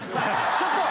ちょっと！